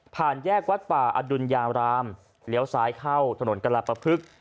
ผ่านแยกวัดป่าอดุญารามเลี้ยวซ้ายเข้าถนนกระลับปะพึก